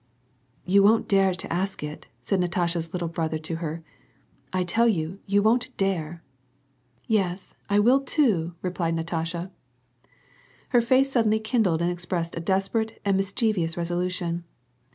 "You won't dare to ask it," said Natasha's little brother to her. " I tell you, you won't dare to !"" Yes, I will, too," replied Natasha. Her face suddenly kindled and expressed a desperate and mischievous resolution.